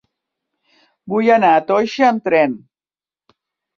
Vull anar a Toixa amb tren.